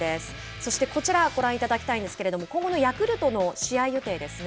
そしてこちらご覧いただきたいんですけれども今後のヤクルトの試合予定ですね。